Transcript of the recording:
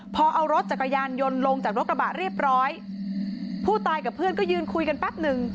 พอเอารถจักรยานยนต์ลงจากรถกระบะเรียบร้อยผู้ตายกับเพื่อนก็ยืนคุยกันแป๊บหนึ่ง